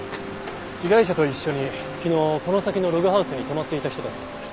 被害者と一緒に昨日この先のログハウスに泊まっていた人たちです。